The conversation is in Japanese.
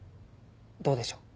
どうでしょう。